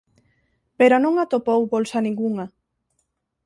Pero non atopou bolsa ningunha.